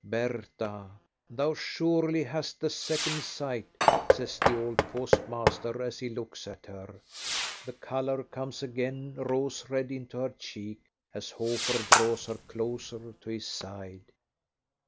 "Bertha, thou surely hast the second sight," says the old postmaster as he looks at her. The colour comes again rose red into her cheek as Hofer draws her closer to his side.